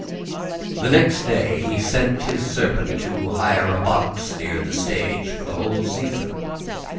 The next day he sent his servant to hire a box near the stage for the whole season.